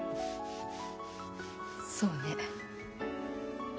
そうね。